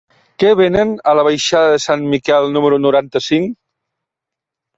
Què venen a la baixada de Sant Miquel número noranta-cinc?